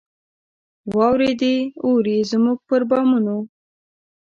واوري دي اوري زموږ پر بامونو